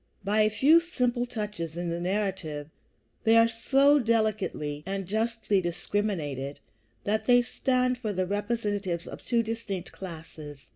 By a few simple touches in the narrative they are so delicately and justly discriminated that they stand for the representatives of two distinct classes.